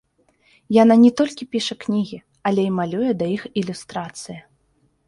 Яна не толькі піша кнігі, але і малюе да іх ілюстрацыі.